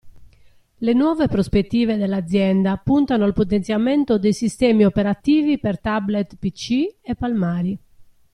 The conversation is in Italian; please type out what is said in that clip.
Le nuove prospettive dell'azienda puntano al potenziamento dei sistemi operativi per tablet pc e palmari.